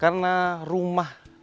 karena rumah ini sendiri